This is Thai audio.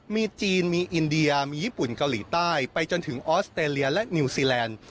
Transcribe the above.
มีจีนมีอินเดียมีญี่ปุ่นเกาหลีใต้ไปจนถึงออสเตรเลียและนิวซีแลนด์